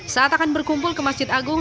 saat akan berkumpul ke masjid agung